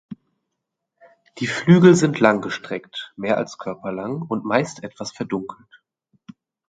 Die Flügel sind langgestreckt (mehr als körperlang) und meist etwas verdunkelt.